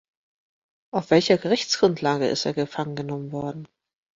Auf welcher Rechtsgrundlage ist er gefangen genommen worden?